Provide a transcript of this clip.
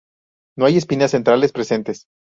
No hay espinas centrales presentes.